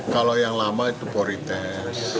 kalau yang lama itu porites